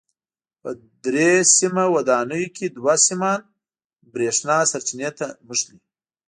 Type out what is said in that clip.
په درې سیمه ودانیو کې دوه سیمان برېښنا سرچینې ته نښلي.